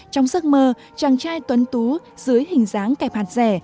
trong giấc mơ chàng trai tuấn tú dưới hình dáng kẹp hạt rẻ